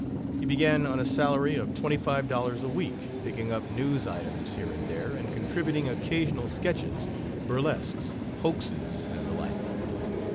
He began on a salary of twenty five dollars a week, picking up news items here and there, and contributing occasional sketches, burlesques, hoaxes, and the like.